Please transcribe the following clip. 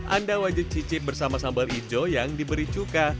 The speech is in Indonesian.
anda wajib cicip bersama sambal hijau yang diberi cuka